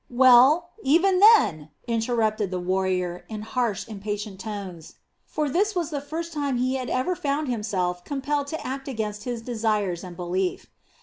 " "Well, even then?" interrupted the warrior in harsh, impatient tones, for this was the first time he had ever found himself compelled to act against his desires and belief.